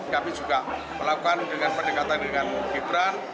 kami juga melakukan dengan pendekatan dengan gibran